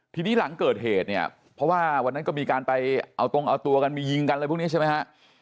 ทีนี้หลังเกิดเหตุเนี่ยเพราะว่าวันนั้นก็มีการไปเอาตรงเอาตัวกันมียิงกันอะไรพวกนี้ใช่ไหมฮะ